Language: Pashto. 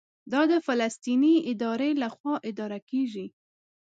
دا د فلسطیني ادارې لخوا اداره کېږي.